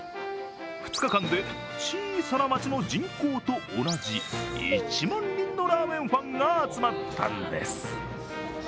２日間で小さな町の人口と同じ１万人のラーメンファンが集まったんです。